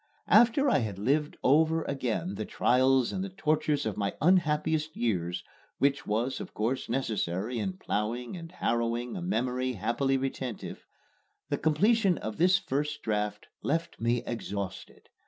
After I had lived over again the trials and the tortures of my unhappiest years which was of course necessary in ploughing and harrowing a memory happily retentive the completion of this first draft left me exhausted.